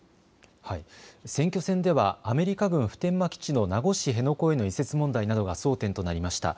選挙戦ではアメリカ軍普天間基地の名護市辺野古への移設問題などが争点となりました。